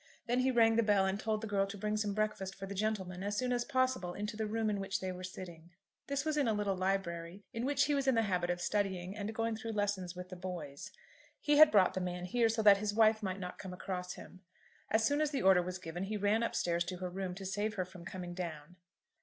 Then he rang the bell and told the girl to bring some breakfast for the gentleman as soon as possible into the room in which they were sitting. This was in a little library in which he was in the habit of studying and going through lessons with the boys. He had brought the man here so that his wife might not come across him. As soon as the order was given, he ran up stairs to her room, to save her from coming down.